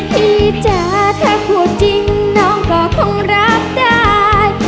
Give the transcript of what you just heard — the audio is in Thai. พี่จ้าถ้าหัวจริงน้องก็คงรักได้